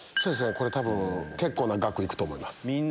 多分結構な額いくと思います。